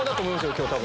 今日多分。